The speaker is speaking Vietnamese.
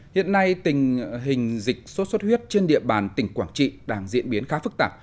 hiện nay tình hình dịch sốt xuất huyết trên địa bàn tỉnh quảng trị đang diễn biến khá phức tạp